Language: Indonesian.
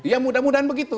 ya mudah mudahan begitu